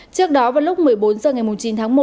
trước đó vào lúc một mươi bốn h ngày chín tháng một